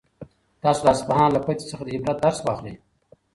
تاسو د اصفهان له فتحې څخه د عبرت درس واخلئ.